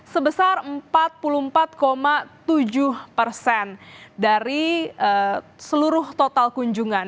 sebesar empat puluh empat tujuh persen dari seluruh total kunjungan